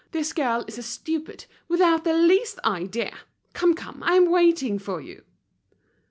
This girl is a stupid, without the least idea. Come, come! I'm waiting for you."